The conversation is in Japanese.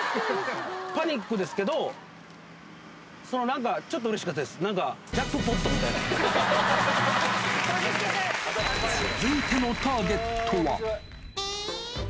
パニックですけど、なんかちょっとうれしかったです、なんか、続いてのターゲットは？